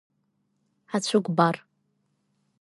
Ацәыкәбар.